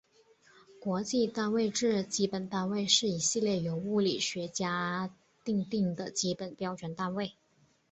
国际单位制基本单位是一系列由物理学家订定的基本标准单位。